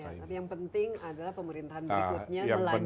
tapi yang penting adalah pemerintahan berikutnya melanjutkan